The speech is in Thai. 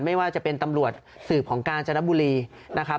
ไม่ว่าจะเป็นตำรวจสืบของกาญจนบุรีนะครับ